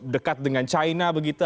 dekat dengan china begitu